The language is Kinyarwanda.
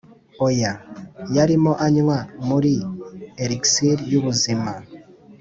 oya; yarimo anywa muri elixir yubuzima